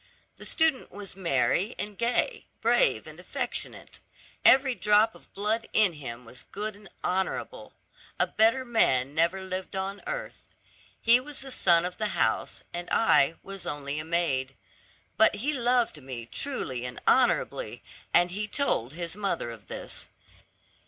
The student was merry and gay, brave and affectionate; every drop of blood in him was good and honorable; a better man never lived on earth. He was the son of the house, and I was only a maid; but he loved me truly and honorably, and he told his mother of it.